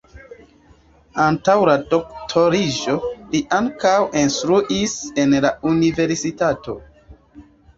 Antaŭ la doktoriĝo li ankaŭ instruis en la universitato.